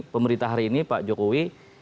pemerintah hari ini pak jokowi